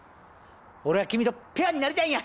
俺は君とペアになりたいんや！